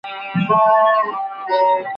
لښتې په کمیس کې وچ شوي ګلان لرل.